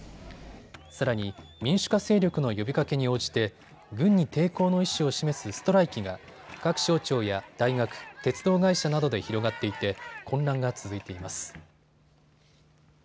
さらに民主化勢力の呼びかけに応じて軍に抵抗の意思を示すストライキが各省庁や大学、鉄道会社などで広がっていて混乱が続いています。